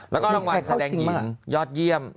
แล้วก็รางวัลแสดงหญิงยอดเยี่ยม